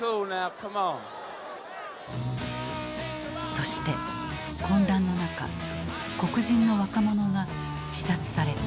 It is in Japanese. そして混乱の中黒人の若者が刺殺された。